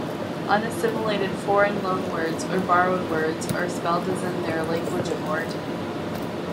Unassimilated foreign loanwords, or borrowed words, are spelled as in their language of origin.